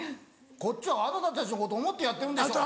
こっちはあなたたちのこと思ってやってるんでしょ」。